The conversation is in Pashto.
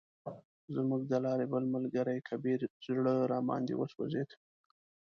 زموږ د لارې بل ملګری کبیر زړه راباندې وسوځید.